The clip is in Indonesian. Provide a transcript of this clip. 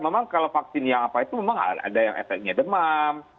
memang kalau vaksin yang apa itu memang ada yang efeknya demam